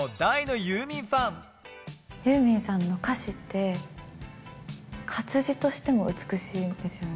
ユーミンさんの歌詞って、活字としても美しいんですよね。